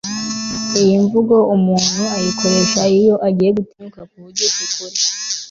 iyi mvugo umuntu ayikoresha iyo agiye gutinyuka kuvugisha ukuri